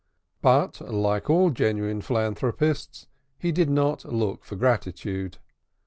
But, like all genuine philanthropists, he did not look for gratitude.